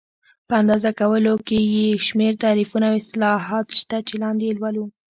په اندازه کولو کې یو شمېر تعریفونه او اصلاحات شته چې لاندې یې لولو.